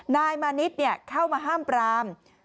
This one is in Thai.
นายมานิดเข้ามาห้ามปราม